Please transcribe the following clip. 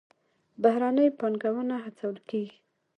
بهرنۍ پانګونه هڅول کیږي